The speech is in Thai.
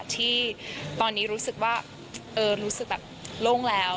ที่ตอนนี้รู้สึกว่ารู้สึกแบบโล่งแล้ว